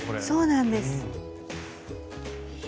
そうなんです。